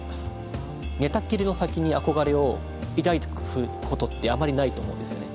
寝たきりの先に憧れを抱くことってあまりないと思うんですよね。